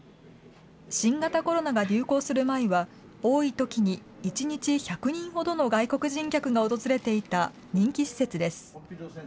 新型コロナが流行する前は、多いときに１日１００人ほどの外国人客が訪れていた人気施設です。